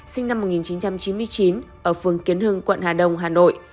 sinh năm một nghìn chín trăm chín mươi chín ở phường kiến hưng quận hà đông hà nội